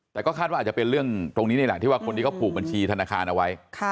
แต่ก็คาดว่าอาจจะเป็นเรื่องตรงนี้นี่แหละที่ว่าคนที่เขาผูกบัญชีธนาคารเอาไว้